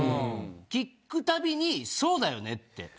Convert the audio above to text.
聴くたびにそうだよねって。